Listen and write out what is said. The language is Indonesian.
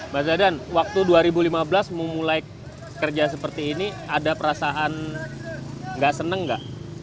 mas zadan waktu dua ribu lima belas memulai kerja seperti ini ada perasaan nggak seneng gak